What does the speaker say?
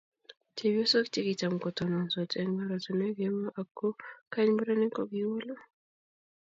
chepyosok che kicham kotononsot eng' ortinwek kemoi aku kany murenik ko kiwolu